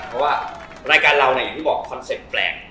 เพราะว่ารายการเราเนี่ยอย่างที่บอกคอนเซ็ปต์แปลก